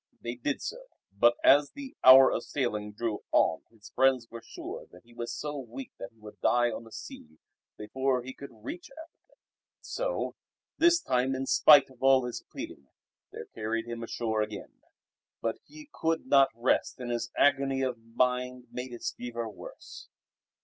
They did so; but as the hour of sailing drew on his friends were sure that he was so weak that he would die on the sea before he could reach Africa. So this time in spite of all his pleading they carried him ashore again. But he could not rest and his agony of mind made his fever worse.